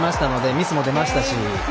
ミスも出ましたし。